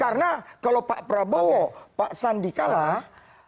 karena kalau pak prabowo pak sandi kalah